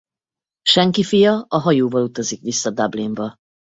Senki Fia a hajóval utazik vissza Dublinba.